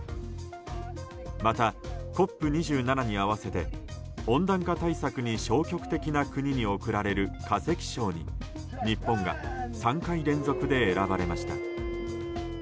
また、ＣＯＰ２７に合わせて温暖化対策に消極的な国に贈られる化石賞に日本が３回連続で選ばれました。